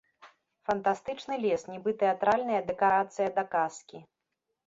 Фантастычны лес, нібы тэатральная дэкарацыя да казкі.